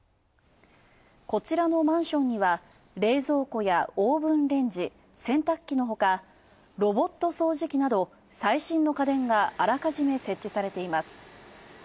こちらのマンションには、冷蔵庫やオーブンレンジ、洗濯機のほかロボット掃除機など最新の家電があらかじめ設置されています。